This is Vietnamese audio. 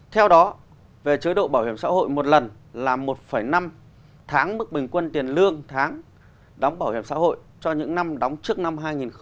theo đó về chế độ bảo hiểm xã hội một lần là một năm tháng mức bình quân tiền lương tháng đóng bảo hiểm xã hội cho những năm đóng trước năm hai nghìn hai mươi